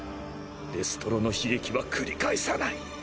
デストロの悲劇は繰り返さない！